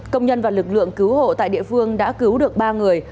công nhân và lực lượng cứu hộ tại địa phương đã cứu được ba người